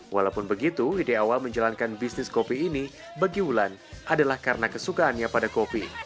walaupun begitu ide awal menjalankan bisnis kopi ini bagi wulan adalah karena kesukaannya pada kopi